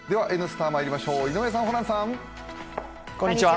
「Ｎスタ」まいりましょう井上さん、ホランさん。